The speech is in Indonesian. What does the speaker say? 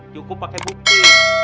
cukup pake bukti